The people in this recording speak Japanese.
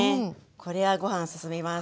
これはご飯すすみます。